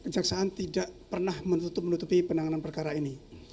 jaksa tidak pernah menutupi penanganan perkara ini